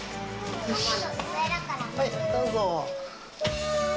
どうぞ。